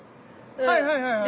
はいはいはいはい。